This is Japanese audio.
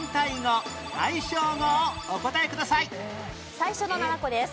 最初の７個です。